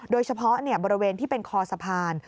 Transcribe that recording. โดยเฉพาะบริเวณที่เป็นคอสะพาน